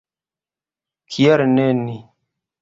Kial ne ni?